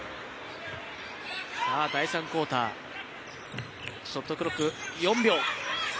第３クオーターショットクロック４秒。